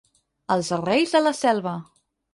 Els reis de la selva.